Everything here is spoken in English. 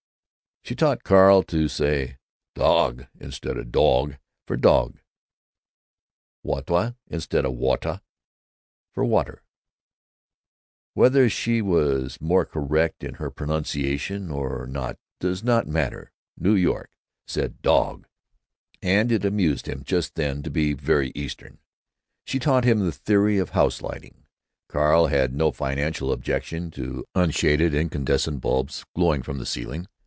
She taught Carl to say "dahg" instead of "dawg" for "dog"; "wawta" instead of "wotter" for "water." Whether she was more correct in her pronunciation or not does not matter; New York said "dahg," and it amused him just then to be very Eastern. She taught him the theory of house lighting. Carl had no fanatical objection to unshaded incandescent bulbs glaring from the ceiling.